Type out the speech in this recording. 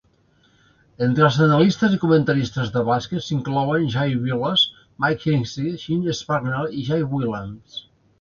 Entre els analistes i comentaristes de bàsquet s'inclouen Jay Bilas, Mike Gminski, Jim Spanarkel i Jay Williams.